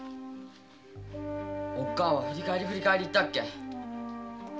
おっ母は振り返り振り返り行ったっけ。